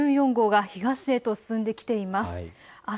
台風１４号が東へと進んできています。